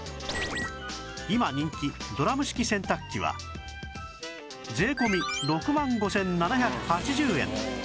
今人気ドラム式洗濯機は税込み６万５７８０円